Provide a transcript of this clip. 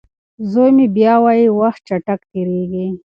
زوی مې بیا وايي وخت چټک تېریږي.